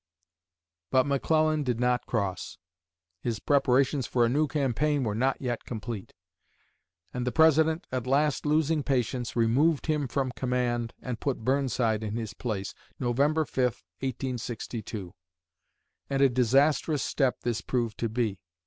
_" But McClellan did not cross; his preparations for a new campaign were not yet complete; and the President, at last losing patience, removed him from command, and put Burnside in his place, November 5, 1862. And a disastrous step this proved to be.